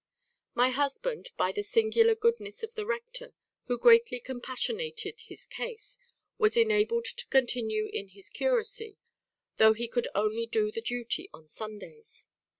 "My husband, by the singular goodness of the rector, who greatly compassionated his case, was enabled to continue in his curacy, though he could only do the duty on Sundays.